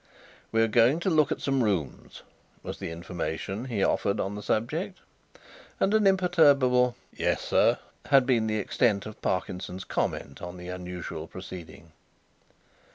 "We are going to look at some rooms," was the information he offered on the subject, and an imperturbable "Yes, sir" had been the extent of Parkinson's comment on the unusual proceeding.